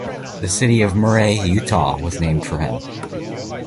The city of Murray, Utah was named for him.